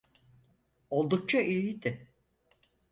Oldukça iyiydi.